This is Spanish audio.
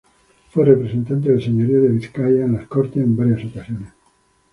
Fue representante del señorío de Vizcaya en las Cortes en varias ocasiones.